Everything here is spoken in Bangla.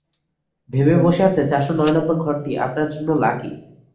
ভেবে বসে আছেন চারশো নয় নম্বর ঘরটি আপনার জন্যে লাকি।